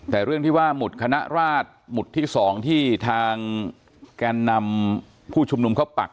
แต่เรื่องที่ว่าหมุดคณะราชหมุดที่๒ที่ทางแกนนำผู้ชุมนุมเขาปัก